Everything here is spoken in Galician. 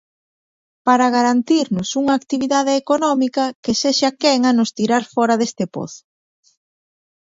Para garantirmos unha actividade económica que sexa quen a nos tirar fóra deste pozo.